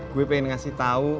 gue pengen ngasih tau